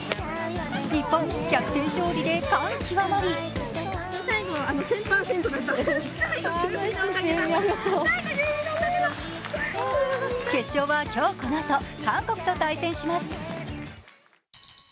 日本、逆転勝利で感極まり決勝は今日このあと、韓国と対戦します。